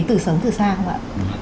từ sớm từ xa không ạ